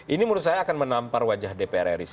ini menurut saya akan menampar wajah dpr ri